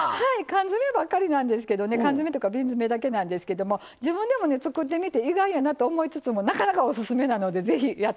缶詰ばっかりなんですけどね缶詰というか瓶詰だけなんですけども自分でもね作ってみて意外やなと思いつつもなかなかおすすめなのでぜひやってください。